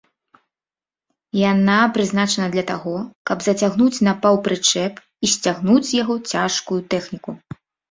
Яна прызначана для таго, каб зацягнуць на паўпрычэп і сцягнуць з яго цяжкую тэхніку.